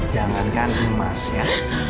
jangan kan emas ya